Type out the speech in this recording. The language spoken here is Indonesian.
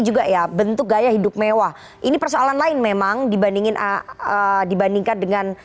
juga ya bentuk gaya hidup mewah ini persoalan lain memang dibandingin a dibandingkan dengan